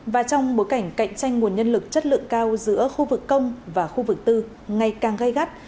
và trong bối cảnh cạnh tranh nguồn nhân lực chất lượng cao giữa khu vực công và khu vực tư ngày càng gây gắt